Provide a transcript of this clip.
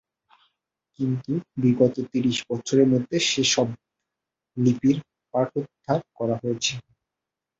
কিন্তু বিগত ত্রিশ বৎসরের মধ্যে সে-সব লিপির পাঠোদ্ধার করা হয়েছে।